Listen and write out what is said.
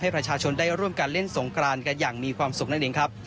ประชาชนได้ร่วมกันเล่นสงกรานกันอย่างมีความสุขนั่นเองครับ